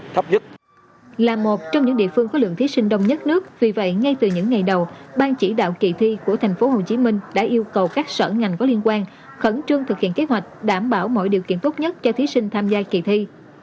từ những ngày đầu bang chỉ đạo kỳ thi của tp hcm đã yêu cầu các sở ngành có liên quan khẩn trương thực hiện kế hoạch đảm bảo mọi điều kiện tốt nhất cho thí sinh tham gia kỳ thi